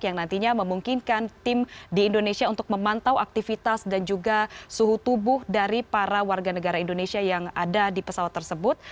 yang nantinya memungkinkan tim di indonesia untuk memantau aktivitas dan juga suhu tubuh dari para warga negara indonesia yang ada di pesawat tersebut